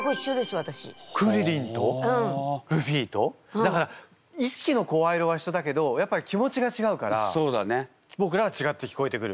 だからいしきの声色は一緒だけどやっぱり気持ちが違うからぼくらは違って聞こえてくる。